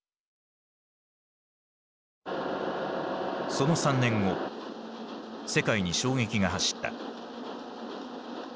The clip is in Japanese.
その３年後世界に衝撃が走った。